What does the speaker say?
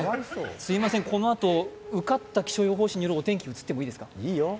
すみません、このあと、受かった気象予報士によるお天気お伝えしていいですか？